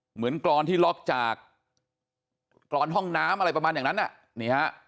เหมือนกรอนที่ล็อกจากกรอนห้องน้ำอะไรประมาณอย่างนั้น